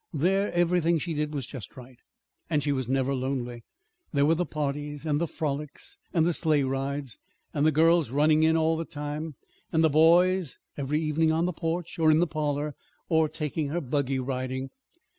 There everything she did was just right. And she was never lonely. There were the parties and the frolics and the sleigh rides, and the girls running in all the time, and the boys every evening on the porch, or in the parlor, or taking her buggy riding.